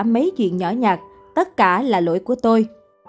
mấy chuyện nhỏ nhạt tất cả là lỗi của tôi